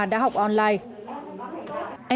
đã học online